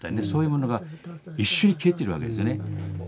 そういうものが一瞬に消えてるわけですよね。